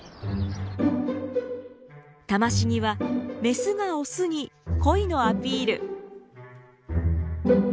タマシギはメスがオスに恋のアピール。